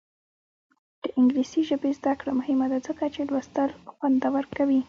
د انګلیسي ژبې زده کړه مهمه ده ځکه چې لوستل خوندور کوي.